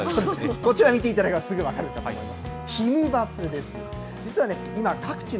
こちら見ていただければ、すぐ分かると思います。